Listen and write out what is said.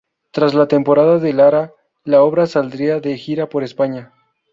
Tras la temporada del Lara, la obra saldría de gira por España.